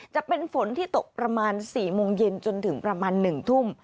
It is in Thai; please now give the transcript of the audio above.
จะเป็นฝนที่ตกประมาณ๔โมงเย็นจนถึงประมาณ๑ทุ่ม